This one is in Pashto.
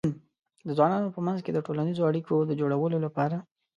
د ځوانانو په منځ کې د ټولنیزو اړیکو د جوړولو لپاره